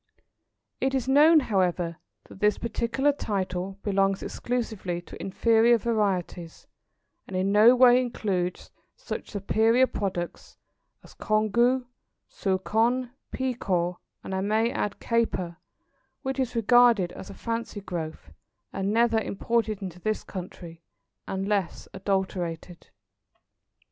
It is known, however, that this particular title belongs exclusively to inferior varieties, and in no way includes such superior products as Congou, Souchong, Pekoe, and I may add Caper, which is regarded as a fancy growth, and never imported into this country, unless adulterated.